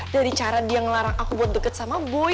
dari cara dia ngelarang aku buat deket sama buy